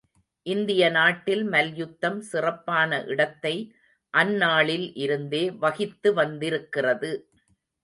இந்திய நாட்டில் மல்யுத்தம் சிறப்பான இடத்தை அந்நாளில் இருந்தே வகித்து வந்திருக்கிறது.